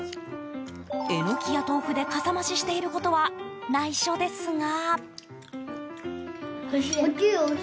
エノキや豆腐でかさ増ししていることは内緒ですが。